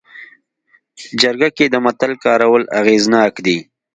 جرګه کې د متل کارول اغېزناک دي